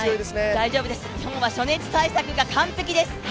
大丈夫です、日本は初日対策が完璧です。